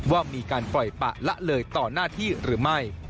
ว่ามีการปล่อยปะละเลยต่อหน้าที่หรือไม่